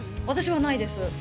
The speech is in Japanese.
私はないです